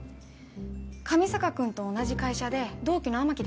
上坂君と同じ会社で同期の雨樹です。